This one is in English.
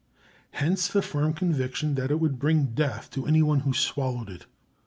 Hence the firm conviction that it would bring death to any one who swallowed it.